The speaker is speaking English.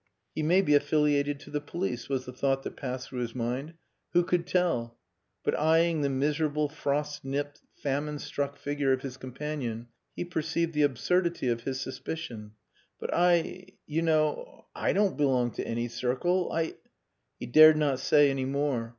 "He may be affiliated to the police," was the thought that passed through his mind. "Who could tell?" But eyeing the miserable frost nipped, famine struck figure of his companion he perceived the absurdity of his suspicion. "But I you know I don't belong to any circle. I...." He dared not say any more.